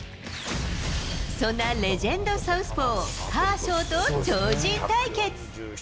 そんなレジェンドサウスポー、カーショウと超人対決。